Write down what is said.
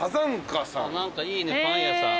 何かいいねパン屋さん。